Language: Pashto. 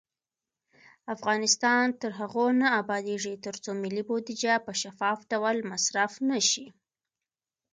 افغانستان تر هغو نه ابادیږي، ترڅو ملي بودیجه په شفاف ډول مصرف نشي.